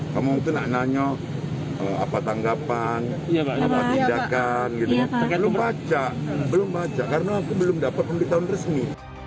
kamu mungkin nanya apa tanggapan apa tindakan belum baca belum baca karena aku belum dapat pemberitahuan resmi